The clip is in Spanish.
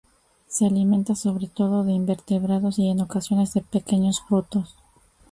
Se alimenta sobre todo de invertebrados y en ocasiones de pequeños frutos.